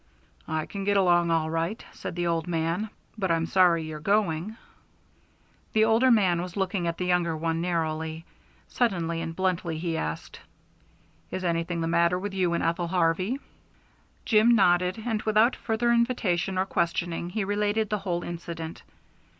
"I can get along all right," said the old man, "but I'm sorry you're going." The older man was looking at the younger one narrowly. Suddenly and bluntly he asked: "Is anything the matter with you and Ethel Harvey?" Jim nodded, and without further invitation or questioning he related the whole incident.